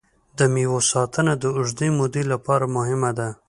د مېوو ساتنه د اوږدې مودې لپاره مهمه ده.